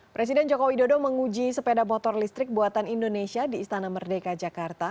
presiden jokowi dodo menguji sepeda motor listrik buatan indonesia di istana merdeka jakarta